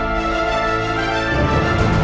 tidak ada apa apa